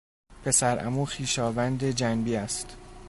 پسر عمو خویشاوند جنبی است.